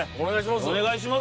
お願いします。